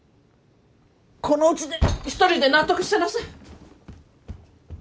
このうちで一人で納得してなさい。